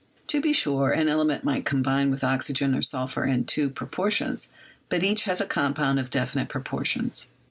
To be sure, an element might combine with oxygen or sulphur in two proportions, but each was a compound of definite proportions.